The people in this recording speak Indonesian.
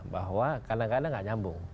bahwa kadang kadang nggak nyambung